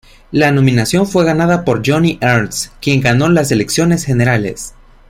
La nominación fue ganada por Joni Ernst, quien ganó las elecciones generales.